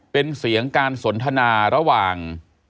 เป็นเสียงการสนทนาระหว่าง